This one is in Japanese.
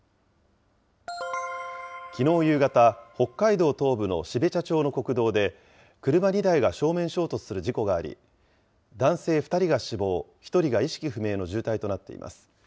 きのう夕方、北海道東部の標茶町の国道で、車２台が正面衝突する事故があり、男性２人が死亡、１人が意識不明の重体となっています。